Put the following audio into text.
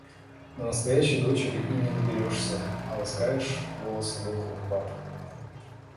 До настоящей дочери и не доберешься, а ласкаешь волосы дохлых баб.